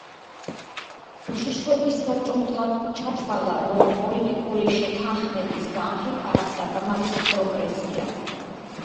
უშიშროების საბჭომ ჩათვალა, რომ პოლიტიკური შეთანხმების განხრით არასაკმარისი პროგრესია.